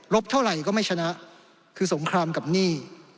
เท่าไหร่ก็ไม่ชนะคือสงครามกับหนี้